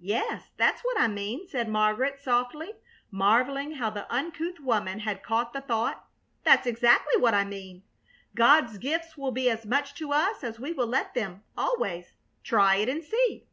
"Yes, that's what I mean," said Margaret, softly, marveling how the uncouth woman had caught the thought. "That's exactly what I mean. God's gifts will be as much to us as we will let them, always. Try it and see."